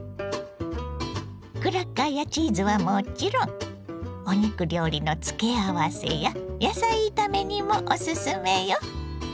クラッカーやチーズはもちろんお肉料理の付け合わせや野菜炒めにもオススメよ！